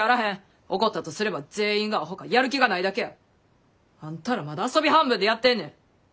起こったとすれば全員がアホかやる気がないだけや。あんたらまだ遊び半分でやってんねん。